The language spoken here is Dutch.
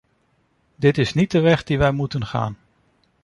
Dit is niet de weg die wij moeten gaan.